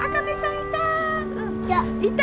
いた。